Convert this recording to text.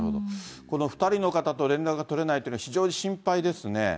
この２人の方と連絡が取れないというのは、非常に心配ですね。